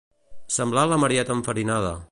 Semblar la Marieta enfarinada.